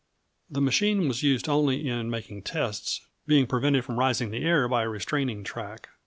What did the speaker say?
The machine was used only in making tests, being prevented from rising in the air by a restraining track.